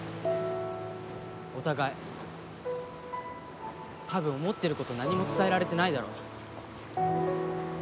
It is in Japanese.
お互い多分思ってること何も伝えられてないだろ。